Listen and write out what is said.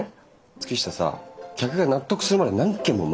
月下さ客が納得するまで何件も回るでしょ。